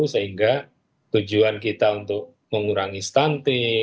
sehingga tujuan kita untuk mengurangi stunting